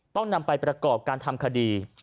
ต้องนำไปประกอบการทำคดี